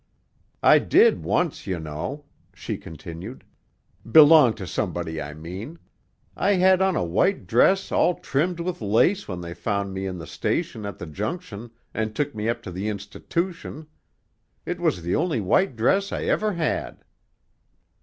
"I did once, you know," she continued, "belong to some body, I mean. I had on a white dress all trimmed with lace when they found me in the station at the junction an' took me up to the institootion; it was the only white dress I ever had."